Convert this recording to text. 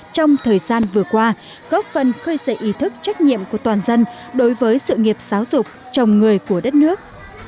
trong thời gian vừa qua góp phần khơi dậy ý thức trách nhiệm của toàn dân đối với sự nghiệp giáo dục chồng người của đất nước